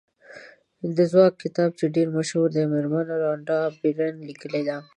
د ځواک کتاب چې ډېر مشهور دی مېرمن رانډا بېرن لیکلی دی.